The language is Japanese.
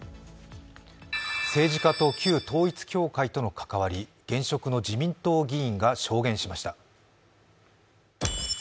政治家と旧統一教会との関わり、現職の自民党議員が証言しました。